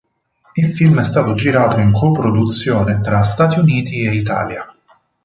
Il film è stato girato in coproduzione tra Stati Uniti e Italia.